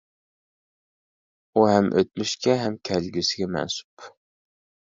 ئۇ ھەم ئۆتمۈشكە ھەم كەلگۈسىگە مەنسۇپ.